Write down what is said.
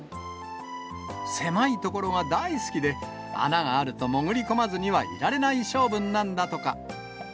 狭い所が大好きで、穴があると潜り込まずにはいられない性分なんだとか。